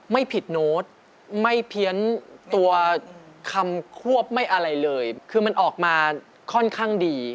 ไม่ผิดโน้ตไม่เพี้ยนตัวคำควบไม่อะไรเลยคือมันออกมาค่อนข้างดี